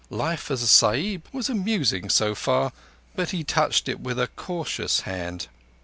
Life as a Sahib was amusing so far; but he touched it with a cautious hand.